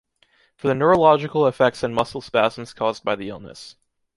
For the neurological effects and muscle spams caused by the illness.